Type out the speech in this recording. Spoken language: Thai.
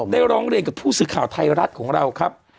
ร้องเรียนกับผู้สื่อข่าวไทยรัฐของเราครับ